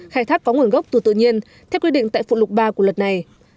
khai thác có nguồn gốc từ tự nhiên theo quy định tại phụ lục ba của luật này